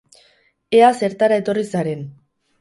Ea zertara etorri zaren.